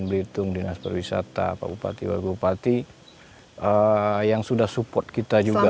pemerintah kabupaten belitung dinas perwisata kabupaten kabupaten yang sudah support kita juga